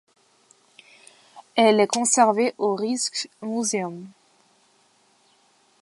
Elle est conservée au Rijksmuseum.